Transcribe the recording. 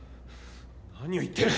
何を言ってる！